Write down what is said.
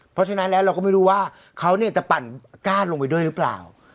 เพราะฉะนั้นแล้วเราก็ไม่รู้ว่าเขาจะปั่นก้านลงไปด้วยหรือเปล่า